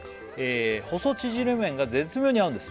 「細ちぢれ麺が絶妙に合うんです」